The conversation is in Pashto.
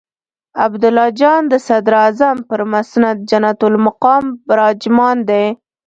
عبدالله جان د صدراعظم پر مسند جنت المقام براجمان دی.